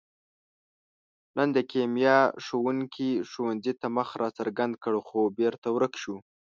نن د کیمیا ښوونګي ښوونځي ته مخ را څرګند کړ، خو بېرته ورک شو.